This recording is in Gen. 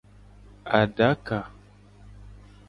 Adaka.